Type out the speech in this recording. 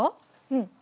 うん。